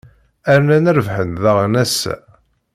Rnan rebḥen daɣen ass-a.